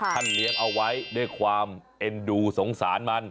เลี้ยงเอาไว้ด้วยความเอ็นดูสงสารมัน